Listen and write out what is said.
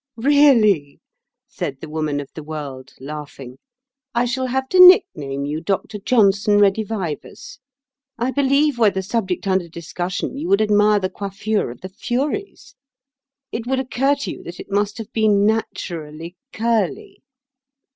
"Really," said the Woman of the World, laughing, "I shall have to nickname you Dr. Johnson Redivivus. I believe, were the subject under discussion, you would admire the coiffure of the Furies. It would occur to you that it must have been naturally curly."